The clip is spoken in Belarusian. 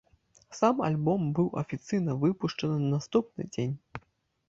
Сам альбом быў афіцыйна выпушчаны на наступны дзень.